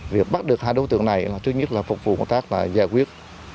việc bắt được hai đối tượng này là trước nhất là phục vụ công tác là giải quyết